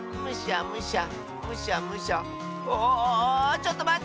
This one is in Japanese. ちょっとまって！